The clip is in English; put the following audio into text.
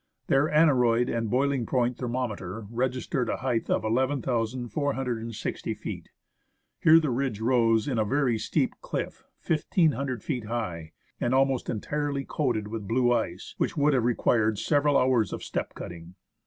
Their aneroid and "boiling point" thermometer registered a height of 11,460 feet. Here the ridge rose in a very steep cliff 1,500 feet high, and almost entirely coated with blue ice, which would have required several hours of step cutting.